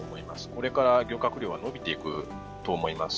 これから漁獲量は伸びていくと思います。